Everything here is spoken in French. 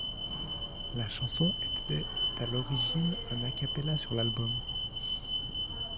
La chanson était à l'origine un Accapela sur l'album.